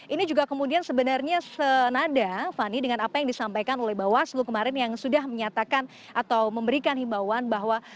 ini juga kemudian sebenarnya senada fani dengan apa yang disampaikan oleh bawaslu kemarin yang sudah menyatakan atau memberikan himbauan bahwa